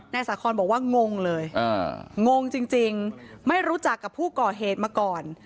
นายสาคอนบอกว่างงเลยงงจริงไม่รู้จักกับผู้ก่อเหตุมาก่อน